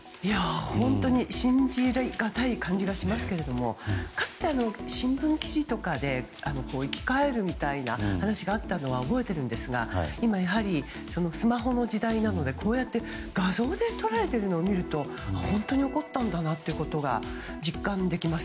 本当に信じがたい感じがしますけどかつて、新聞記事とかで生き返るみたいな話があったのは覚えてるんですが今、やはりスマホの時代なのでこうやって画像で捉えているのを見ると本当に起こったんだなということが実感できます。